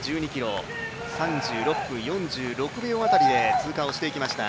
１２ｋｍが、３６分４６秒あたりで通過をしていきました。